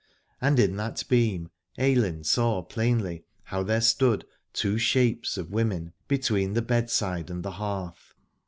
And in that beam Ailinn saw plainly how there stood two shapes of women between the bedside and the hearth.